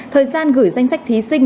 thời gian gửi danh sách thí sinh